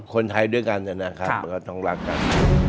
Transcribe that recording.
คนไทยด้วยกันนะครับมันก็ต้องรักกัน